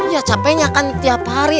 ya capeknya kan tiap hari